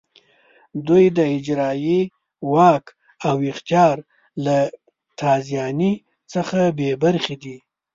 دوی د اجرایې واک او اختیار له تازیاني څخه بې برخې دي.